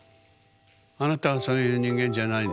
あなたはそういう人間じゃないでしょ？